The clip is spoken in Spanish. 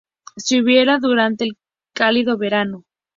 Se vieron durante el cálido verano.